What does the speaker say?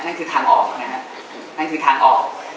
นั่นคือทางออกใช่ไหมครับนั่นคือทางออก